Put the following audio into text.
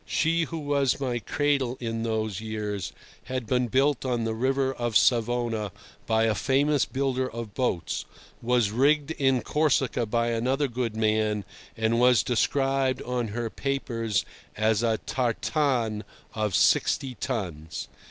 She who was my cradle in those years had been built on the River of Savona by a famous builder of boats, was rigged in Corsica by another good man, and was described on her papers as a 'tartane' of sixty tons.